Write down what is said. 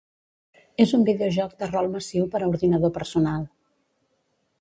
És un videojoc de rol massiu per a ordinador personal.